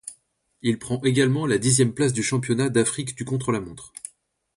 Il prend également la dixième place du championnat d'Afrique du contre-la-montre.